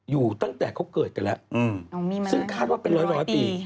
อยู่ตั้งแต่เขาเกิดกันแล้วซึ่งคาดว่าเป็นร้อยปี